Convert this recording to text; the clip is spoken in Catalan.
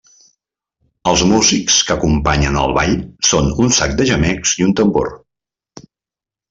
Els músics que acompanyen el ball són un sac de gemecs i un tambor.